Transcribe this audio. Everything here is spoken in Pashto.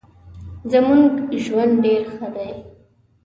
زمونږ ژوند ډیر ښه دې